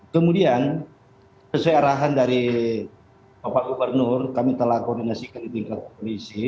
kemudian sesuai arahan dari bapak gubernur kami telah koordinasikan di tingkat polisi